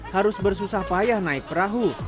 harus bersusah payah naik perahu